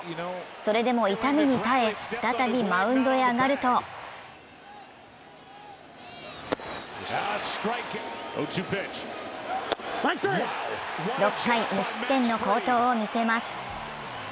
それでも痛みに耐え再びマウンドへ上がると６回無失点の好投を見せます。